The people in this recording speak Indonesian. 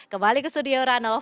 kembali ke studio rano